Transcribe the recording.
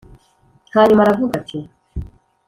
Hanyuma aravuga ati